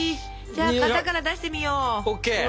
じゃあ型から出してみよう。